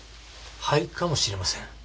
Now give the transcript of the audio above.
灰かもしれません。